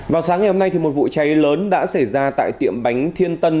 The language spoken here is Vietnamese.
vào sáng ngày hôm nay một vụ cháy lớn đã xảy ra tại tiệm bánh thiên tân